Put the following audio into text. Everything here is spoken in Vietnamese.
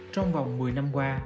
trong vòng một mươi năm qua